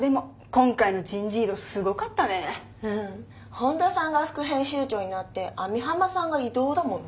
本田さんが副編集長になって網浜さんが異動だもんね。